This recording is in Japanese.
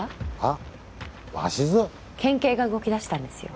県警が動きだしたんですよ